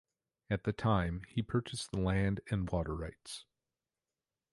At the time he purchased the land and water rights.